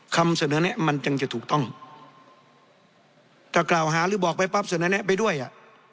คำเสนอแนะมันจึงจะถูกต้องถ้ากล่าวหาหรือบอกไปปั๊บเสนอแนะไปด้วยอ่ะ